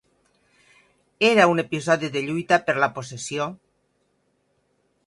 Era un episodi de lluita per la possessió